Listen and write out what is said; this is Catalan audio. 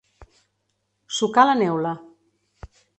Sucar la neula.